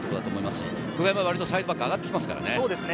久我山は割とサイドバックが上がってきますからね。